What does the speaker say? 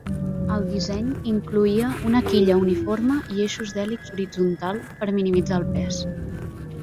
El disseny incloïa una quilla uniforme i eixos d'hèlix horitzontals per minimitzar el pes.